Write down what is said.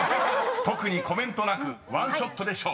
［特にコメントなくワンショットで勝負］